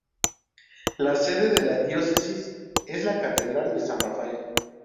La sede de la Diócesis es la Catedral de San Rafael.